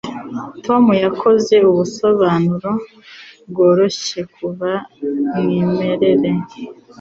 Tom yakoze ubusobanuro bworoshye kuva mwimerere.